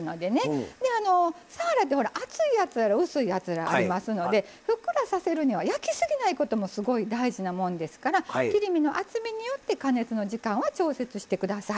さわらって厚いやつやら薄いやつやらありますのでふっくらさせるには焼きすぎないこともすごい大事なもんですから切り身の厚みによって加熱の時間は調節して下さい。